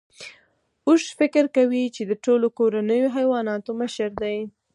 اوښ فکر کوي چې د ټولو کورنیو حیواناتو مشر دی.